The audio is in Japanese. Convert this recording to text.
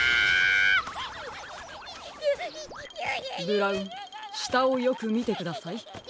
ブラウンしたをよくみてください。